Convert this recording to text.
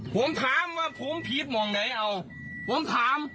ผมถามว่าผมผีมองไหนเอาผมถาม